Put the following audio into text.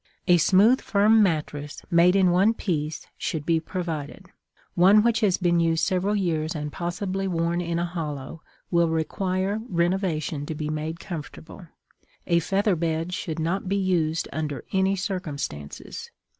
A smooth, firm mattress, made in one piece, should be provided. One which has been used several years and possibly worn in a hollow will require renovation to be made comfortable. A feather bed should not be used under any circumstances.